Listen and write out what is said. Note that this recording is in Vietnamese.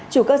chủ cơ sở